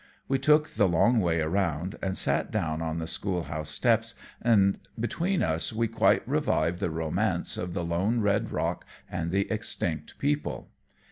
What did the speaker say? We took the long way around and sat down on the schoolhouse steps, and between us we quite revived the romance of the lone red rock and the extinct people.